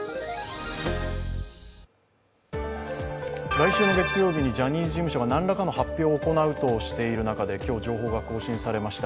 来週の月曜日がジャニーズ事務所が何らかの発表を行うとされてきた中で今日、情報が更新されました。